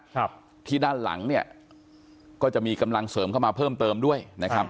ครับที่ด้านหลังเนี่ยก็จะมีกำลังเสริมเข้ามาเพิ่มเติมด้วยนะครับ